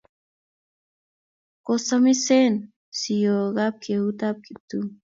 Kosamisen siok ap keut ap Kiptum.